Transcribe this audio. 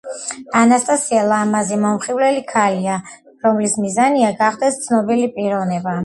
ანასტასია ლამაზი, მომხიბვლელი ქალია, რომლის მიზანია გახდეს ცნობილი პიროვნება.